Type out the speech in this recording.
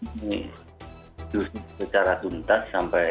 ini justru secara tuntas sampai